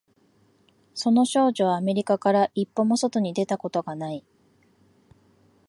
その少女はアメリカから一歩も外に出たことがない